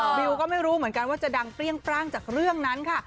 บิวก็ไม่รู้เหมือนกันว่าจะดังเปรี้ยงปร่างจากเรื่องนั้นค่ะ